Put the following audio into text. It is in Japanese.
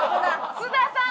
津田さん！